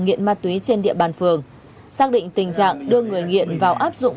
nghiện ma túy trên địa bàn phường xác định tình trạng đưa người nghiện vào áp dụng